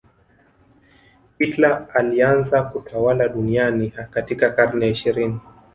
hitler alianza kutawala duniani katika karne ya ishirini